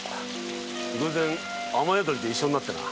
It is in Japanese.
偶然雨宿りで一緒になってな。